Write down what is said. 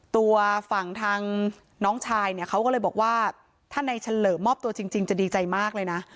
ตัวฝั่งทางน้องชายเนี่ยเขาก็เลยบอกว่าถ้าในเฉลิมมอบตัวจริงจะดีใจมากเลยนะ